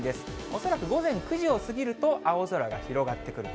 恐らく午前９時を過ぎると青空が広がってくると。